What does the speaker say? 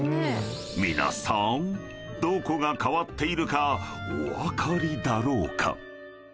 ［皆さんどこが変わっているかお分かりだろうか？］